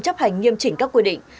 chấp hành nghiêm chỉnh các quy định